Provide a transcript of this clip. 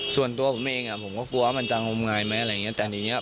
ส่วนตัวผมเองผมก็กลัวว่ามันจะงมงายไหมอะไรอย่างเนี่ย